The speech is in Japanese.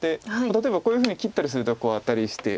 例えばこういうふうに切ったりするとアタリして。